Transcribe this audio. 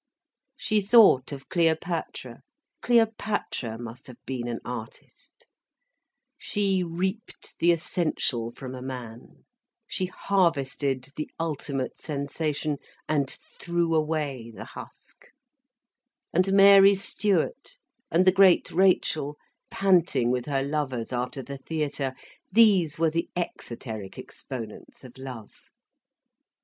She thought of Cleopatra—Cleopatra must have been an artist; she reaped the essential from a man, she harvested the ultimate sensation, and threw away the husk; and Mary Stuart, and the great Rachel, panting with her lovers after the theatre, these were the exoteric exponents of love.